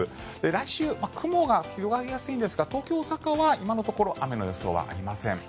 来週、雲が広がりやすいんですが東京、大阪は今のところ雨の予想はありません。